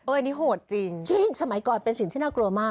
อันนี้โหดจริงจริงสมัยก่อนเป็นสิ่งที่น่ากลัวมาก